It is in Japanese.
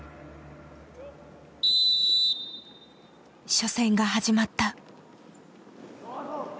初戦が始まった。